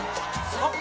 あっ！